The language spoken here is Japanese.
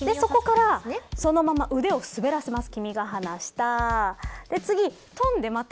そこからそのまま腕を滑らせます。